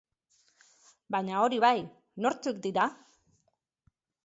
Baina hori bai, nortzuk dira?